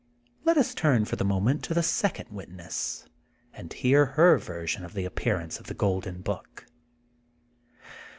Let us turn for the moment to the second witness, and hear her version of the appearance of the Golden Book.